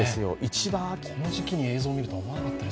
この時期に映像を見るとは思わなかった。